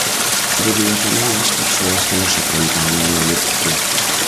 Bo día tamén ás persoas que nos acompañan no hemiciclo.